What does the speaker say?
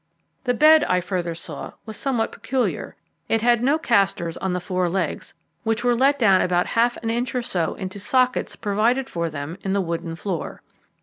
The bed, I further saw, was somewhat peculiar; it had no castors on the four legs, which were let down about half an inch into sockets provided for them in the wooden floor.